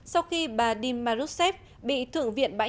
sau khi bà dilma rousseff bị thượng